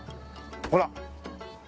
ほら。